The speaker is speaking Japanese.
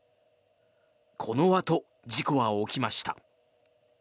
このあと事故は起きました。